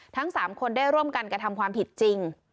ทั้ง๓คนได้ร่วมกันกระทำความผิดจริง